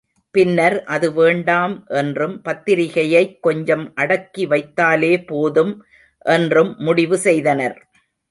பின்னர் அது வேண்டாம் என்றும் பத்திரிகையைக் கொஞ்சம் அடக்கிவைத்தாலே போதும் என்றும் முடிவுசெய்தனர்.